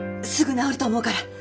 すぐ治ると思うから。